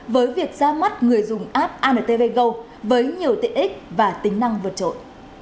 với việc ra mắt người dùng app antv go với nhiều tiện ích và tính năng vượt trội